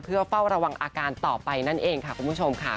เพื่อเฝ้าระวังอาการต่อไปนั่นเองค่ะคุณผู้ชมค่ะ